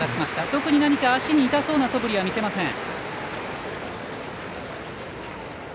特に足に痛そうなそぶりは見せません。